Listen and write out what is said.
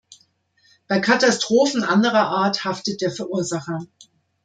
Bei Katastrophen anderer Art haftet der Verursacher.